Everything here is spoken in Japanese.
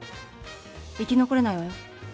生き残れないわよ。